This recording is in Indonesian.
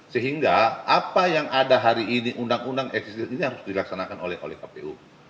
sehingga apa yang ada hari ini undang undang existing ini harus dilaksanakan oleh kpu